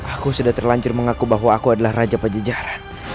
aku sudah terlanjur mengaku bahwa aku adalah raja pajajar